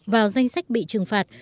vào danh sách bị trừng phạt